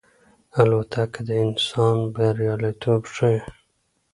الوتکه د انسان بریالیتوب ښيي.